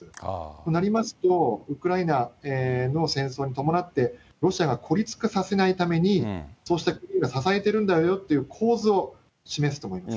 となりますと、ウクライナの戦争に伴って、ロシアを孤立化させないために、そうした、支えてるんだよという構図を示すと思います。